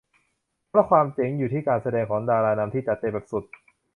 เพราะความเจ๋งอยู่ที่การแสดงของดารานำที่จัดเต็มแบบสุด